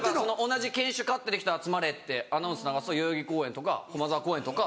同じ犬種飼ってる人集まれってアナウンス流すと代々木公園とか駒沢公園とか。